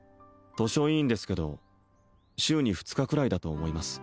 図書委員ですけど週に２日くらいだと思います